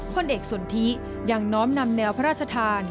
พลเอกสนทิยังน้อมนำแนวพระราชทาน